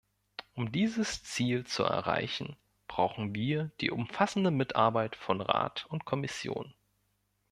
Um dieses Ziel zu erreichen, brauchen wir die umfassende Mitarbeit von Rat und Kommission.